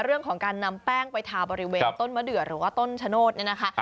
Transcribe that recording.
เรื่องของการนำแป้งไปทาบริเวณต้นมะเดือหรือว่าต้นชะโนธเนี่ยนะคะ